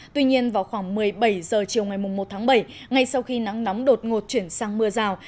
tuy nhiên vào khoảng một mươi bảy h chiều ngày một tháng bảy ngay sau khi nắng nóng đột ngột chuyển sang mưa rào